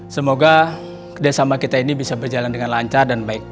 semoga kerjasama kita ini bisa berjalan dengan lancar dan baik